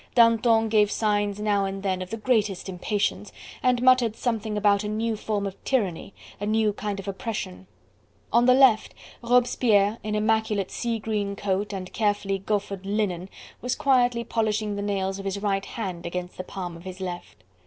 Danton gave signs now and then of the greatest impatience, and muttered something about a new form of tyranny, a new kind of oppression. On the left, Robespierre in immaculate sea green coat and carefully gauffered linen was quietly polishing the nails of his right hand against the palm of his left.